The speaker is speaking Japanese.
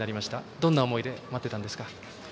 どんな思いで待っていましたか。